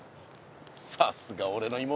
さすがおれの妹。